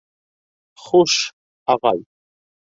Хуш, ағай!